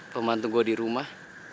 pemantu gue di rumah